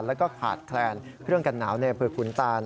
แล้วก็ขาดแคลนเครื่องกันหนาวในอำเภอขุนตาน